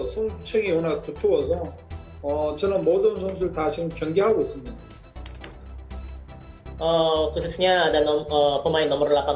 di thailand sekarang ada delapan belas pemain